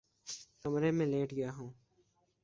کمرے میں لیٹ گیا ہوں